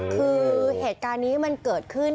คือเหตุการณ์นี้มันเกิดขึ้น